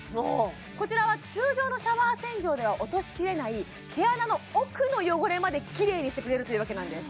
こちらは通常のシャワー洗浄では落としきれない毛穴の奥の汚れまでキレイにしてくれるというわけなんです